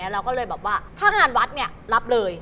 เราก็เลยแบบว่าถ้างานวัดเนี่ยรับเลย